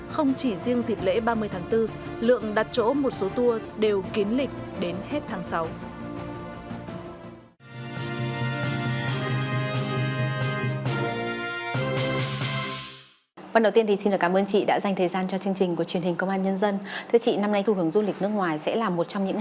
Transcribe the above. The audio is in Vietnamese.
không chỉ riêng dịp lễ ba mươi tháng bốn lượng đặt chỗ một số tour đều kiến lịch đến hết tháng sáu